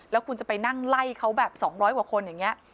แล้วคุณจะไปนั่งไล่เขาแบบ๒๐๐กว่าคนอย่างนี้